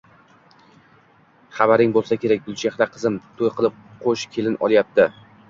Xabaring bo`lsa kerak, Gulchehra qizim to`y qilib, qo`sh kelin olyapti